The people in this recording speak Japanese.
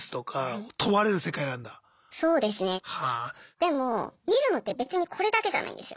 でも見るのって別にこれだけじゃないんですよ。